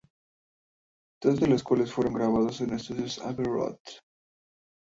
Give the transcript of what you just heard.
Dos de los cuales fueron grabados en los estudios Abbey Road.